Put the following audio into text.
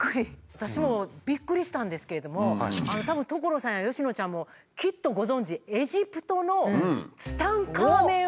私もびっくりしたんですけどもたぶん所さんや佳乃ちゃんもきっとご存じ。